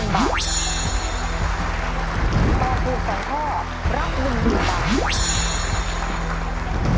ตอบถุงสามข้อรับ๑๐๐๐๐บาท